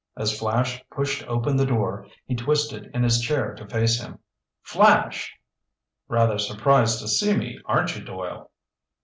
As Flash pushed open the door, he twisted in his chair to face him. "Flash!" "Rather surprised to see me, aren't you, Doyle?"